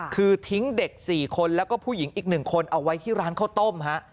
คือทิ้งเด็ก๔คนแล้วก็ผู้หญิงอีก๑คนเอาไว้ที่ร้านข้าวต้มฮะ